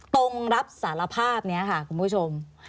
ตรงรับสารภาพนี้ค่ะคุณผู้ชม